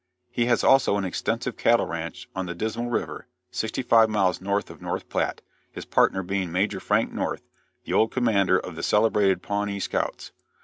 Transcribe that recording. He has also an extensive cattle ranch on the Dismal river, sixty five miles north of North Platte, his partner being Major Frank North, the old commander of the celebrated Pawnee scouts.